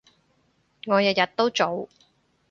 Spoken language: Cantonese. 我日日都做